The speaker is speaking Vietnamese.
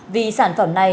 vì sản phẩm này